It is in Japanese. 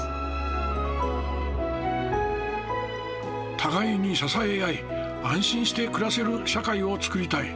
互いに支え合い安心して暮らせる社会をつくりたい。